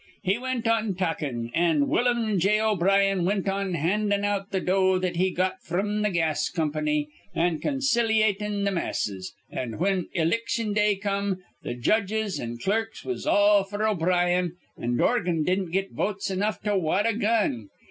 He wint on talkin', and Willum J. O'Brien wint on handin' out th' dough that he got fr'm th' gas company an' con ciliatin' th' masses; an', whin iliction day come, th' judges an' clerks was all f'r O'Brien, an' Dorgan didn't get votes enough to wad a gun.